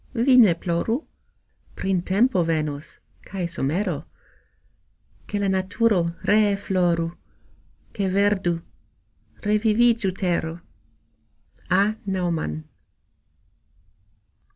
vi ne ploru: Printempo venos kaj somero, Ke la naturo ree floru, Ke verdu, revivigxu tero. A. NAUMANN.